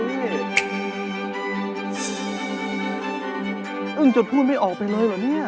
อึ้งจนพูดไม่ออกไปเลยเหรอเนี่ย